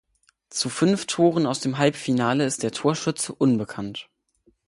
Zu fünf Toren aus dem Halbfinale ist der Torschütze unbekannt.